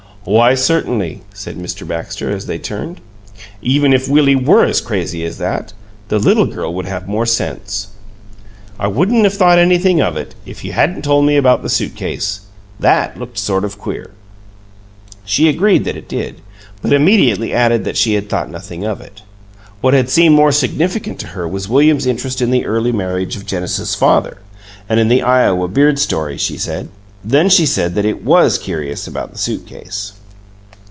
"Why, certainly," said Mr. Baxter, as they turned. "Even if Willie were as crazy as that, the little girl would have more sense. I wouldn't have thought anything of it, if you hadn't told me about the suit case. That looked sort of queer." She agreed that it did, but immediately added that she had thought nothing of it. What had seemed more significant to her was William's interest in the early marriage of Genesis's father, and in the Iowa beard story, she said. Then she said that it WAS curious about the suit case.